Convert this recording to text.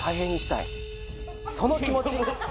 その気持ち。